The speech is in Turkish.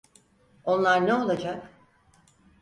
Onlar ne olacak?